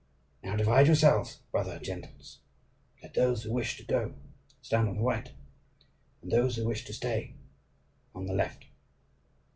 "Now divide yourselves, brother gentles! Let those who wish to go stand on the right, and those who wish to stay, on the left.